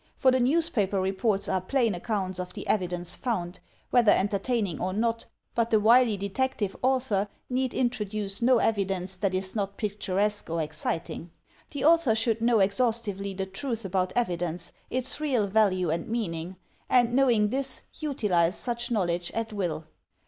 For the newspaper reports are plain accounts of the evidence found, whether entertaining or not; but the wily detective author need introduce no evidence that is not picturesque or excit ing. The author should know exhaustively the truth about evidence, its real value and meaning; and knowing this, utilize such knowledge at will.